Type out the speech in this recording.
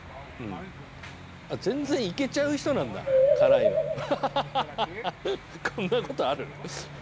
全然いけちゃう人なんだ辛いの。こんなことある？